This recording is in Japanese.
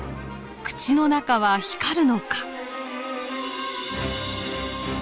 口の中は光るのか。